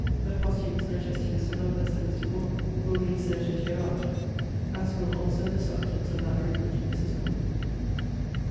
The posthumous letters to Mr. LOVELACE and Mr. MORDEN will be inserted hereafter: as will also the substance of that written to Mrs. Norton.